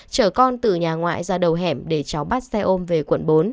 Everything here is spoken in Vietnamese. chở con từ nhà ngoại ra đầu hẻm để cháu bắt xe ôm về quận bốn